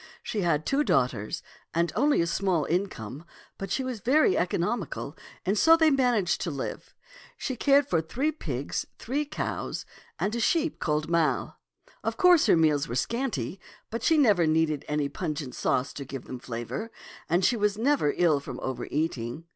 She had two daughters and only a small income, but she was very economical, and so they managed to live. She cared for three pigs, three cows, and a sheep called Mall. Of course her meals were scanty, but she never needed any pungent sauce to give them flavor, and she was never ill from over eating.